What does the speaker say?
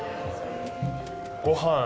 ごはん。